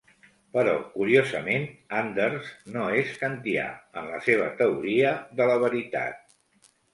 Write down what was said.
Però curiosament Anders no és kantià en la seva teoria de la veritat.